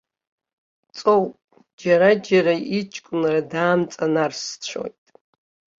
Ҵоуп, џьара-џьара иҷкәынра даамҵанарсцәоит.